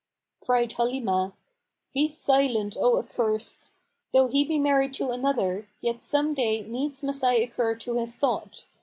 Cried Halimah, "Be silent, O accursed! Though he be married to another, yet some day needs must I occur to his thought.